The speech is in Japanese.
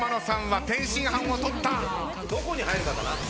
どこに入るかだな。